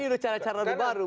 ini cara cara udah baru